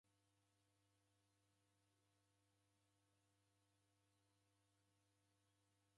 Mlungu orew'ika lusenge lwa vua maw'ingunyi.